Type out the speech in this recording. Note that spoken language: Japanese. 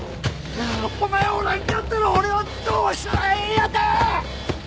お前おらんかったら俺はどうしたらええんやて！？